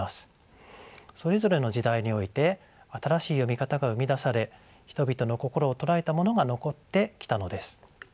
それぞれの時代において新しい読み方が生み出され人々の心を捉えたものが残ってきたのです。